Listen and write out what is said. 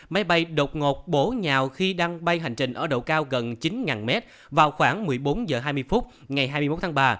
máy bay đột ngột bố nhào khi đang bay hành trình ở độ cao gần chín m vào khoảng một mươi bốn h hai mươi phút ngày hai mươi một tháng ba